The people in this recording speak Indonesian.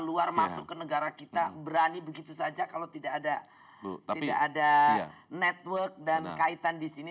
keluar masuk ke negara kita berani begitu saja kalau tidak ada network dan kaitan di sini